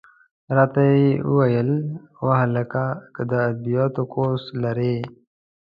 را ته یې وویل: وهلکه! که د ادبیاتو کورس لولې.